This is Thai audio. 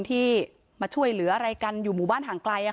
เพราะพ่อเชื่อกับจ้างหักข้าวโพด